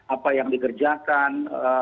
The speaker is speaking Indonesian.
apa yang dikerjakan